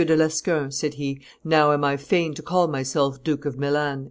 de Lescun," said he, "now am I fain to call myself Duke of Milan."